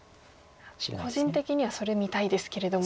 個人的にはそれ見たいですけれども。